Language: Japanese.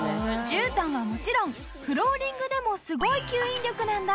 じゅうたんはもちろんフローリングでもすごい吸引力なんだ！